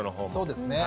そうですね。